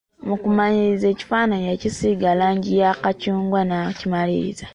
Mukumaliriza ekifananyi yakisiiga langi eya kakyungwa nakimaliriza.